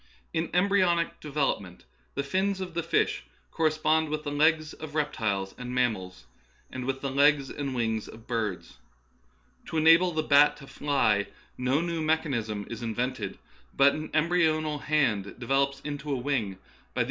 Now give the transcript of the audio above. In embry onic development the fins of the fish correspond with the legs of reptiles and mammals, and with the legs and wings of birds. To enable the bat to fly, no new mechanism is invented, but an embryonal hand develops into a wing by the 26 Darwinism and Other Essays.